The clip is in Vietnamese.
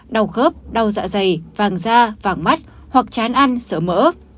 đau khớp đau dạ dày vàng da vàng mắt hoặc chán ăn sỡ mỡ